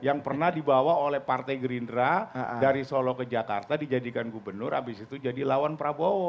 yang pernah dibawa oleh partai gerindra dari solo ke jakarta dijadikan gubernur abis itu jadi lawan prabowo